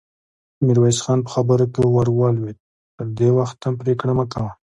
ميرويس خان په خبره کې ور ولوېد: تر وخت مخکې پرېکړه مه کوه!